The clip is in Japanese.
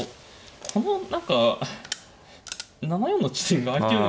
この何か７四の地点が空いてるのが。